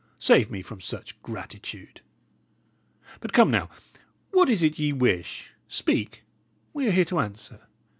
Save me from such gratitude! But, come, now, what is it ye wish? Speak; we are here to answer.